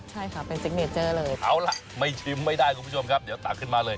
ใช่ค่ะเป็นซิกเนเจอร์เลยเอาล่ะไม่ชิมไม่ได้คุณผู้ชมครับเดี๋ยวตักขึ้นมาเลย